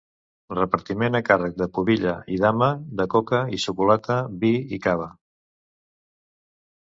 Repartiment a càrrec de pubilla i dama de coca i xocolata, vi i cava.